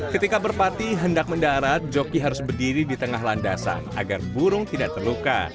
ketika merpati hendak mendarat joki harus berdiri di tengah landasan agar burung tidak terluka